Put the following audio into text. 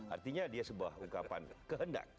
artinya dia sebuah ungkapan kehendak